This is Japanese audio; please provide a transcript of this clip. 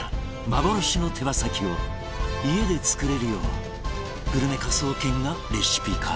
幻の手羽先を家で作れるようグルメ科捜研がレシピ化